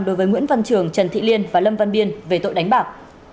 đối với nguyễn văn trường trần thị liên và lâm văn biên về tội đánh bạc